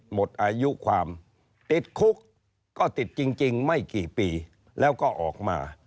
หมดอายุความติดคุกก็ติดจริงไม่กี่ปีแล้วก็ออกมา